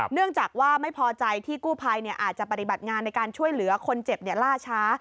เนื่องจากว่าไม่พอใจที่กู้ภัยอาจจะปฏิบัติงานในการช่วยเหลือคนเจ็บล่าช้า